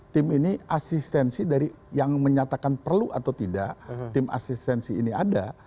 tim ini asistensi dari yang menyatakan perlu atau tidak tim asistensi ini ada